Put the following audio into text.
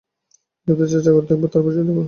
এই সপ্তাহটা চেষ্টা করে দেখব, তারপর ছেড়ে দেব।